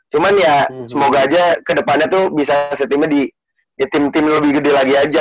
cuman ya semoga aja ke depannya tuh bisa settingnya di tim tim lebih gede lagi aja